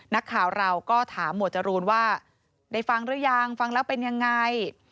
นักข่าวเราก็ถามหมวดจรูนว่าได้ฟังหรือยังฟังแล้วเป็นยังไง